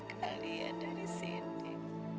kalian lihat ini